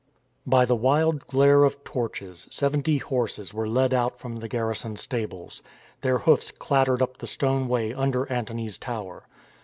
BY the wild glare of torches seventy horses were led out from the garrison stables. Their hoofs clattered up the stone way under Antony's tower.